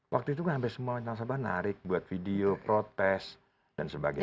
waktu itu kan hampir semua nasabah narik buat video protes dan sebagainya